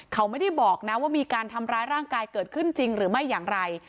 เขาไม่ได้บอกนะว่ามีการทำร้ายร่างกายเกิดขึ้นจริงหรือไม่อย่างไร